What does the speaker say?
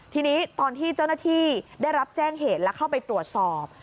ทีนี้ตอนที่เจ้าหน้าที่ได้รับแจ้งเหตุและเข้าไปตรวจสอบ